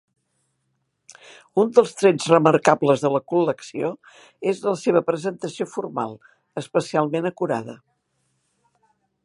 Un dels trets remarcables de la col·lecció és la seva presentació formal, especialment acurada.